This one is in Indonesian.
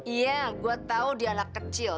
iya gue tahu dia anak kecil